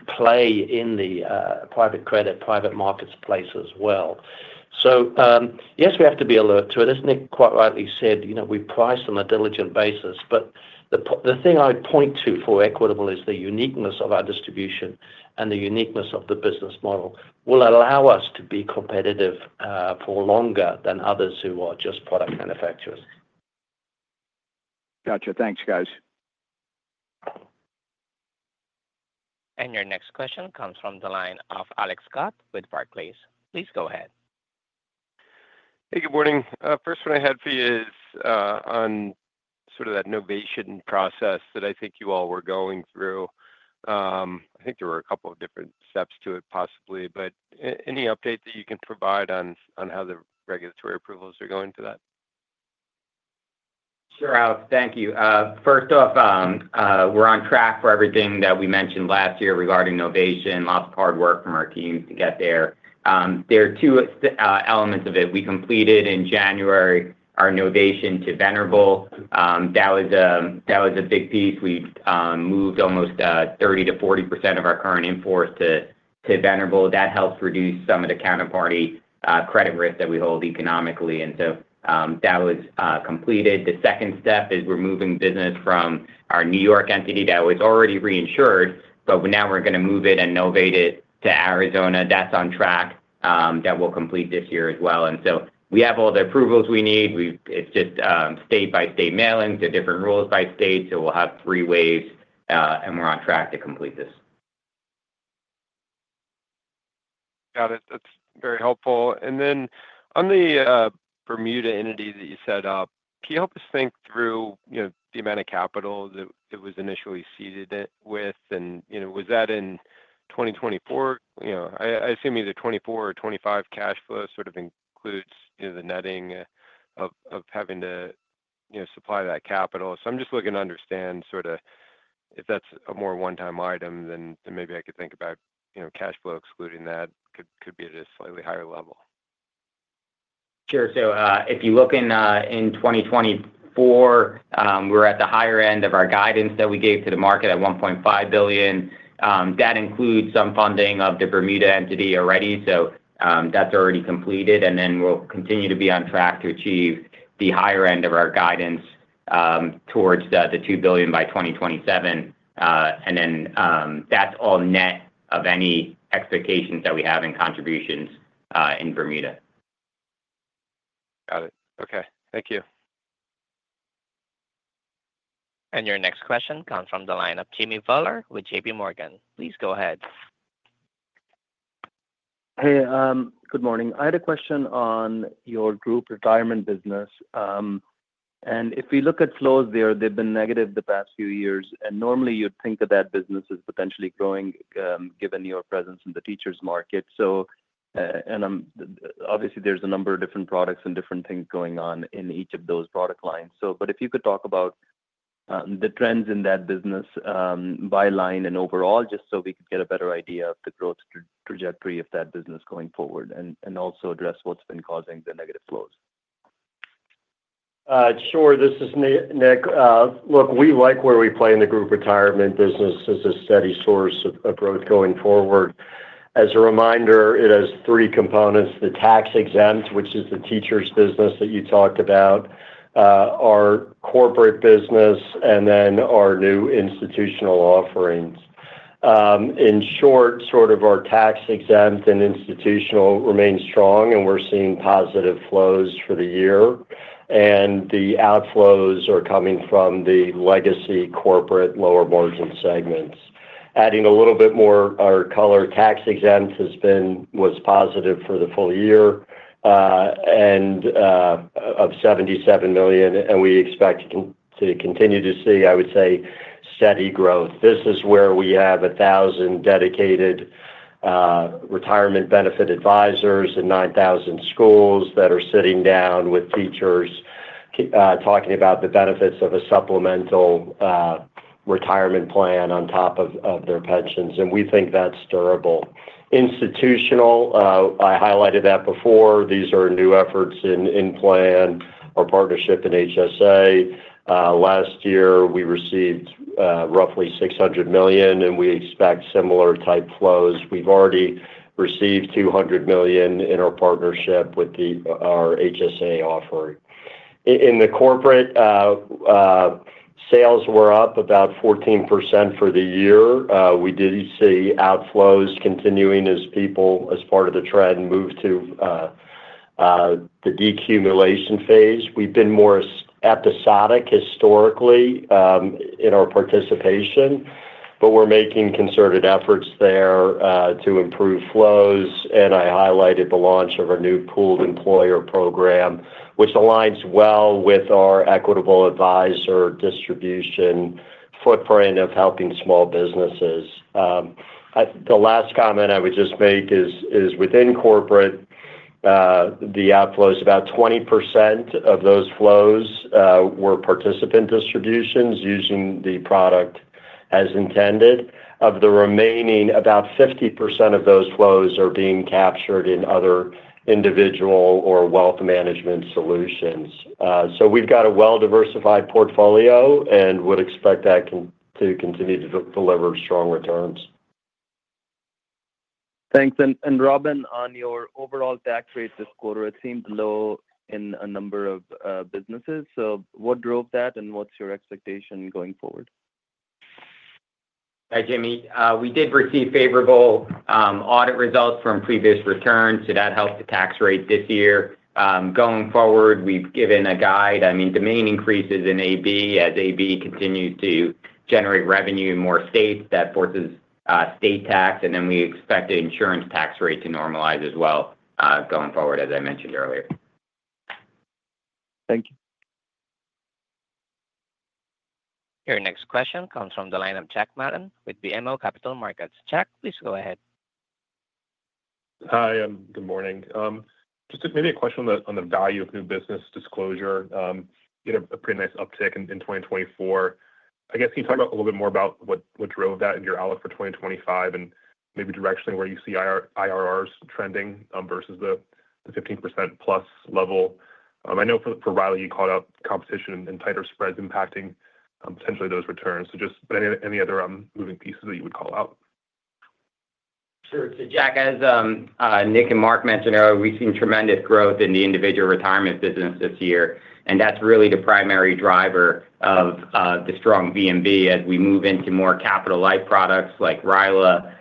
play in the private credit, private markets space as well. So yes, we have to be alert to it. As Nick quite rightly said, we price on a diligent basis, but the thing I'd point to for Equitable is the uniqueness of our distribution and the uniqueness of the business model will allow us to be competitive for longer than others who are just product manufacturers. Gotcha. Thanks, guys. Your next question comes from the line of Alex Scott with Barclays. Please go ahead. Hey, good morning. First one I had for you is on sort of that novation process that I think you all were going through. I think there were a couple of different steps to it possibly, but any update that you can provide on how the regulatory approvals are going to that? Sure, Alex. Thank you. First off, we're on track for everything that we mentioned last year regarding novation. Lots of hard work from our team to get there. There are two elements of it. We completed in January our novation to Venerable. That was a big piece. We've moved almost 30%-40% of our current in-force to Venerable. That helps reduce some of the counterparty credit risk that we hold economically, and so that was completed. The second step is we're moving business from our New York entity that was already reinsured, but now we're going to move it and novate it to Arizona. That's on track that we'll complete this year as well, and so we have all the approvals we need. It's just state-by-state mailing due to different rules by state. So we'll have three waves, and we're on track to complete this. Got it. That's very helpful. And then on the Bermuda entity that you set up, can you help us think through the amount of capital that it was initially seated with? And was that in 2024? I assume either 2024 or 2025 cash flow sort of includes the netting of having to supply that capital. So I'm just looking to understand sort of if that's a more one-time item, then maybe I could think about cash flow excluding that could be at a slightly higher level. Sure. So if you look in 2024, we're at the higher end of our guidance that we gave to the market at $1.5 billion. That includes some funding of the Bermuda entity already. So that's already completed. And then we'll continue to be on track to achieve the higher end of our guidance towards the $2 billion by 2027. And then that's all net of any expectations that we have in contributions in Bermuda. Got it. Okay. Thank you. Your next question comes from the line of Jimmy Bhullar with JP Morgan. Please go ahead. Hey, good morning. I had a question on your group retirement business. And if we look at flows there, they've been negative the past few years. And normally, you'd think that that business is potentially growing given your presence in the teachers' market. And obviously, there's a number of different products and different things going on in each of those product lines. But if you could talk about the trends in that business by line and overall, just so we could get a better idea of the growth trajectory of that business going forward and also address what's been causing the negative flows. Sure. This is Nick. Look, we like where we play in the group retirement business as a steady source of growth going forward. As a reminder, it has three components: the tax-exempt, which is the teachers' business that you talked about, our corporate business, and then our new institutional offerings. In short, sort of our tax-exempt and institutional remains strong, and we're seeing positive flows for the year, and the outflows are coming from the legacy corporate lower margin segments. Adding a little bit more our color tax-exempt was positive for the full year of $77 million, and we expect to continue to see, I would say, steady growth. This is where we have 1,000 dedicated retirement benefit advisors and 9,000 schools that are sitting down with teachers talking about the benefits of a supplemental retirement plan on top of their pensions, and we think that's durable. Institutional, I highlighted that before. These are new efforts in plan, our partnership in HSA. Last year, we received roughly $600 million, and we expect similar type flows. We've already received $200 million in our partnership with our HSA offering. In the corporate, sales were up about 14% for the year. We did see outflows continuing as people, as part of the trend, moved to the decumulation phase. We've been more episodic historically in our participation, but we're making concerted efforts there to improve flows. And I highlighted the launch of our new pooled employer program, which aligns well with our Equitable Advisors distribution footprint of helping small businesses. The last comment I would just make is within corporate, the outflows, about 20% of those flows were participant distributions using the product as intended. Of the remaining, about 50% of those flows are being captured in other individual or wealth management solutions. So we've got a well-diversified portfolio and would expect that to continue to deliver strong returns. Thanks. And Robin, on your overall tax rate this quarter, it seemed low in a number of businesses. So what drove that, and what's your expectation going forward? Hi, Jimmy. We did receive favorable audit results from previous returns. So that helped the tax rate this year. Going forward, we've given a guide. I mean, the main increase is in AB as AB continues to generate revenue in more states. That forces state tax, and then we expect the insurance tax rate to normalize as well going forward, as I mentioned earlier. Thank you. Your next question comes from the line of Jack McEvoy with BMO Capital Markets. Jack, please go ahead. Hi, and good morning. Just maybe a question on the value of new business disclosure. You had a pretty nice uptick in 2024. I guess can you talk a little bit more about what drove that in your outlook for 2025 and maybe directionally where you see IRRs trending versus the 15% plus level? I know for RILA, you called out competition and tighter spreads impacting potentially those returns. But any other moving pieces that you would call out? Sure. So Jack, as Nick and Mark mentioned earlier, we've seen tremendous growth in the individual retirement business this year. And that's really the primary driver of the strong VNB as we move into more capital-like products like RILA,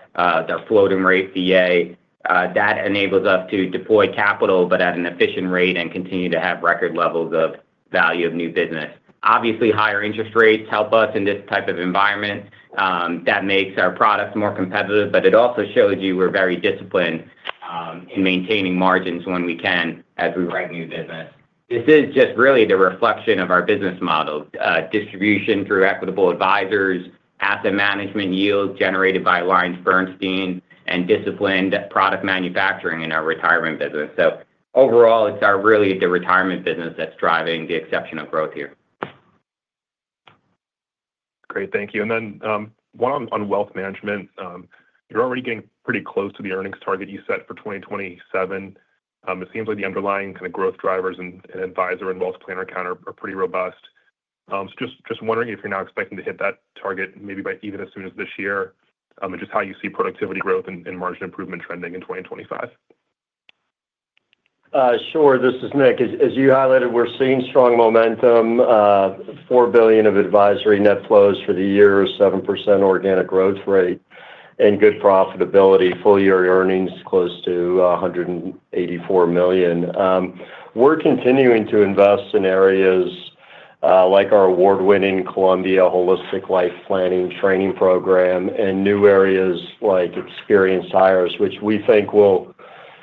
their floating rate VA. That enables us to deploy capital but at an efficient rate and continue to have record levels of value of new business. Obviously, higher interest rates help us in this type of environment. That makes our products more competitive, but it also shows you we're very disciplined in maintaining margins when we can as we write new business. This is just really the reflection of our business model: distribution through Equitable Advisors, asset management yields generated by AllianceBernstein, and disciplined product manufacturing in our retirement business. So overall, it's really the retirement business that's driving the exceptional growth here. Great. Thank you. And then one on wealth management. You're already getting pretty close to the earnings target you set for 2027. It seems like the underlying kind of growth drivers and advisor and wealth planner account are pretty robust. Just wondering if you're not expecting to hit that target maybe even as soon as this year and just how you see productivity growth and margin improvement trending in 2025. Sure. This is Nick. As you highlighted, we're seeing strong momentum, $4 billion of advisory net flows for the year, 7% organic growth rate, and good profitability. Full-year earnings close to $184 million. We're continuing to invest in areas like our award-winning Columbia Holistic Life Planning Training Program and new areas like Experienced Hires, which we think will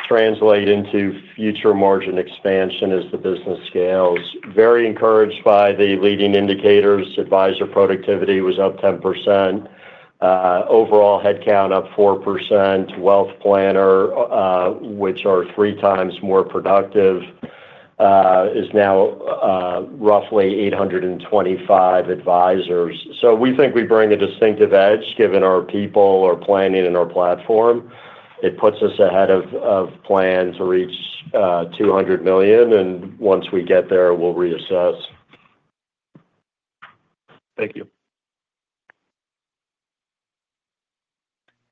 translate into future margin expansion as the business scales. Very encouraged by the leading indicators. Advisor productivity was up 10%. Overall headcount up 4%. Wealth planner, which are three times more productive, is now roughly 825 advisors. So we think we bring a distinctive edge given our people, our planning, and our platform. It puts us ahead of plan to reach $200 million. And once we get there, we'll reassess. Thank you.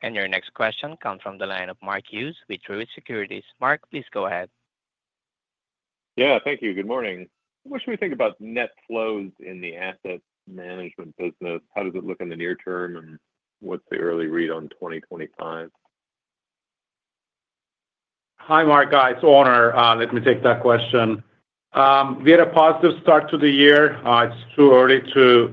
Your next question comes from the line of Mark Hughes with Truist Securities. Mark, please go ahead. Yeah. Thank you. Good morning. What should we think about net flows in the asset management business? How does it look in the near term, and what's the early read on 2025? Hi, Mark. Let me take that question. We had a positive start to the year. It's too early to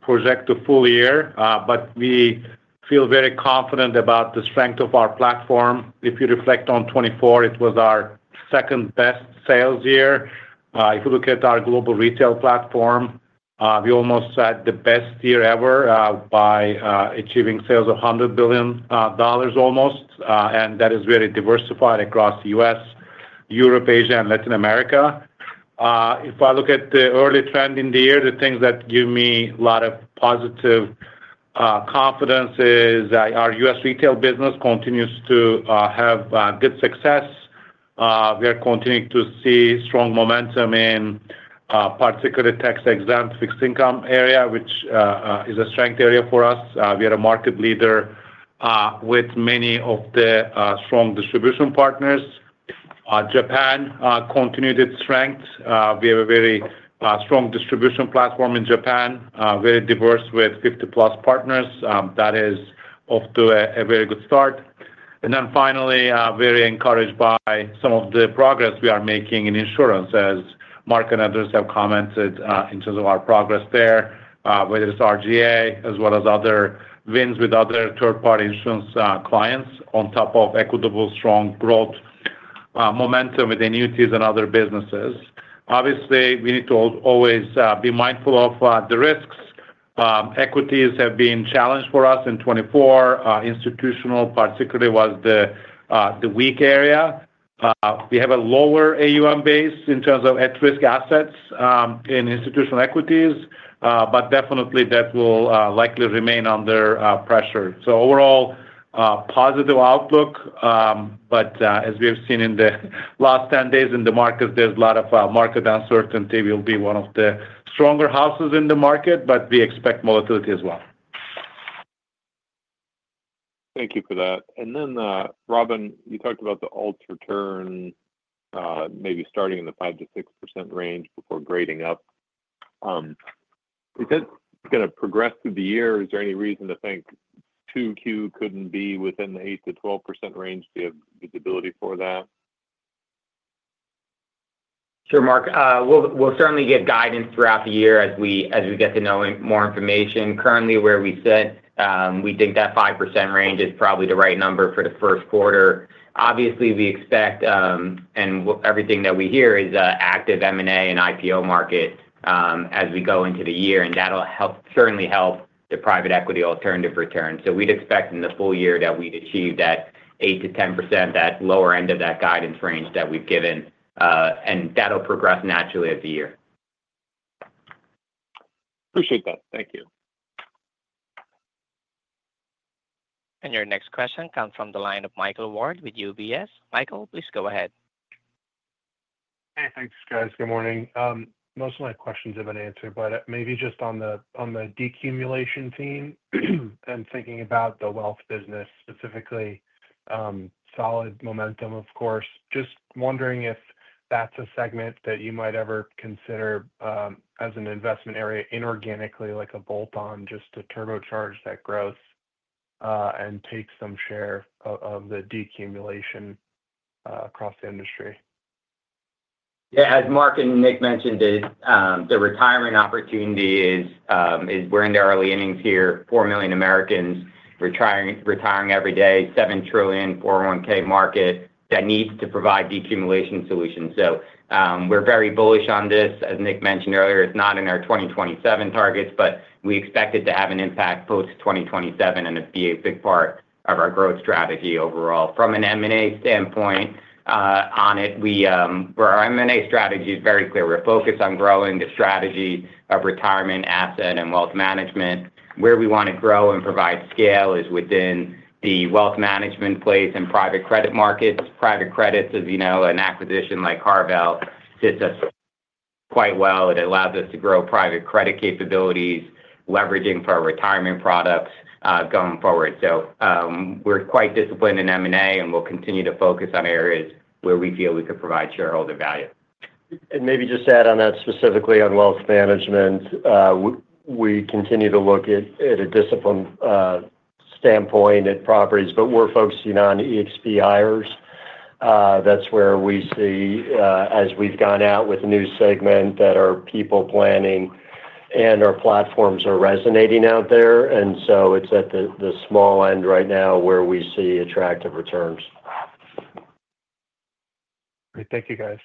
project the full year, but we feel very confident about the strength of our platform. If you reflect on 2024, it was our second-best sales year. If you look at our global retail platform, we almost had the best year ever by achieving sales of $100 billion almost. And that is very diversified across the U.S., Europe, Asia, and Latin America. If I look at the early trend in the year, the things that give me a lot of positive confidence is our U.S. retail business continues to have good success. We are continuing to see strong momentum in particularly tax-exempt fixed income area, which is a strength area for us. We are a market leader with many of the strong distribution partners. Japan continued its strength. We have a very strong distribution platform in Japan, very diverse with 50-plus partners. That is off to a very good start. And then finally, very encouraged by some of the progress we are making in insurance, as Mark and others have commented in terms of our progress there, whether it's RGA as well as other wins with other third-party insurance clients on top of Equitable strong growth momentum with annuities and other businesses. Obviously, we need to always be mindful of the risks. Equities have been challenged for us in 2024. Institutional, particularly, was the weak area. We have a lower AUM base in terms of at-risk assets in institutional equities, but definitely that will likely remain under pressure. So overall, positive outlook. But as we have seen in the last 10 days in the market, there's a lot of market uncertainty. We'll be one of the stronger houses in the market, but we expect volatility as well. Thank you for that. And then, Robin, you talked about the alts return maybe starting in the 5%-6% range before grading up. Is that going to progress through the year? Is there any reason to think 2Q couldn't be within the 8%-12% range? Do you have visibility for that? Sure, Mark. We'll certainly get guidance throughout the year as we get to know more information. Currently, where we sit, we think that 5% range is probably the right number for the first quarter. Obviously, we expect, and everything that we hear, is active M&A and IPO market as we go into the year. And that'll certainly help the private equity alternative return. So we'd expect in the full year that we'd achieve that 8%-10%, that lower end of that guidance range that we've given. And that'll progress naturally as the year. Appreciate that. Thank you. And your next question comes from the line of Michael Ward with UBS. Michael, please go ahead. Hey, thanks, guys. Good morning. Most of my questions have been answered, but maybe just on the decumulation team and thinking about the wealth business specifically, solid momentum, of course. Just wondering if that's a segment that you might ever consider as an investment area inorganically, like a bolt-on, just to turbocharge that growth and take some share of the decumulation across the industry? Yeah. As Mark and Nick mentioned, the retirement opportunity is we're in the early innings here. Four million Americans retiring every day, $7 trillion 401(k) market that needs to provide decumulation solutions, so we're very bullish on this. As Nick mentioned earlier, it's not in our 2027 targets, but we expect it to have an impact post-2027 and be a big part of our growth strategy overall. From an M&A standpoint on it, our M&A strategy is very clear. We're focused on growing the strategy of retirement asset and wealth management. Where we want to grow and provide scale is within the wealth management space and private credit markets. Private credit, as you know, an acquisition like CarVal sits us quite well. It allows us to grow private credit capabilities, leveraging for our retirement products going forward. We're quite disciplined in M&A, and we'll continue to focus on areas where we feel we could provide shareholder value. And maybe just add on that specifically on wealth management. We continue to look at a disciplined standpoint at properties, but we're focusing on EXP hires. That's where we see, as we've gone out with a new segment that are people planning, and our platforms are resonating out there. And so it's at the small end right now where we see attractive returns. Great. Thank you, guys.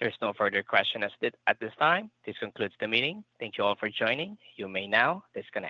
There's no further questions at this time. This concludes the meeting. Thank you all for joining. You may now disconnect.